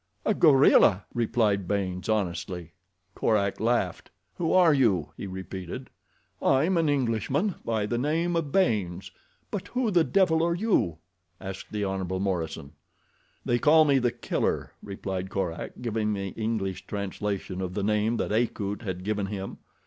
"A gorilla," replied Baynes, honestly. Korak laughed. "Who are you?" he repeated. "I'm an Englishman by the name of Baynes; but who the devil are you?" asked the Hon. Morison. "They call me The Killer," replied Korak, giving the English translation of the name that Akut had given him.